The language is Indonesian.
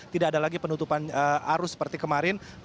tidak ada lagi penutupan arus seperti kemarin